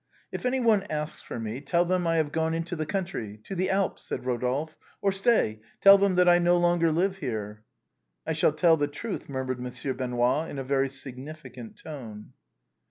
" If any one asks for me, tell them that I have gone into the country — to the Alps," said Eodolphe. " Or stay, tell them that I no longer live here." " I shall tell the truth," murmured Monsieur Benoît, in a very significant tone.